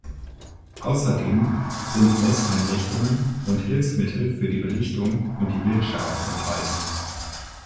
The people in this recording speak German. Außerdem sind Messeinrichtungen und Hilfsmittel für die Belichtung und die Bildschärfe enthalten.